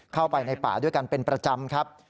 เข้าไปในป่าด้วยกันเป็นประจำครับ